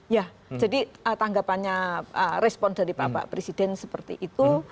ya jadi tanggapannya respon dari bapak presiden seperti itu